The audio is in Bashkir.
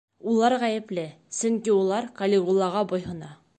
Улар ғәйепле, сөнки улар Калигулаға буйһона.